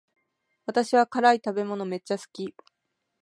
私は辛い食べ物めっちゃ好き